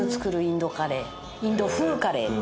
インド風カレー。